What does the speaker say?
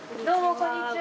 こんにちは。